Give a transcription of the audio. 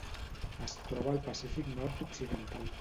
Es troba al Pacífic nord-occidental.